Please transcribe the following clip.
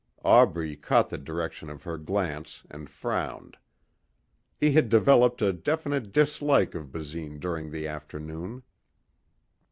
Aubrey caught the direction of her glance and frowned. He had developed a definite dislike of Basine during the afternoon.